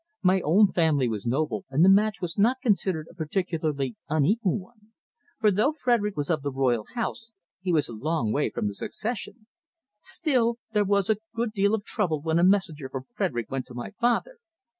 My own family was noble, and the match was not considered a particularly unequal one, for though Frederick was of the Royal House, he was a long way from the succession. Still, there was a good deal of trouble when a messenger from Frederick went to my father.